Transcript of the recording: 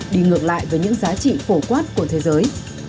đi ngược lại với những giá trị phổ quát của thế giới